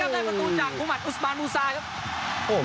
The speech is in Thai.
ให้มายิงเริ่มสูงกลับได้ประตูจากมุมมัติอุสบานรุซาครับ